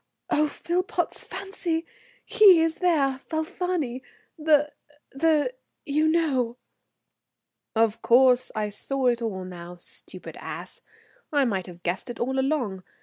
"Oh, Philpotts, fancy! He is there! Falfani, the the you know " Of course I saw it all now. Stupid ass! I might have guessed it all along.